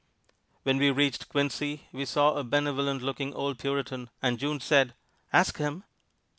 When we reached Quincy we saw a benevolent looking old Puritan, and June said, "Ask him!"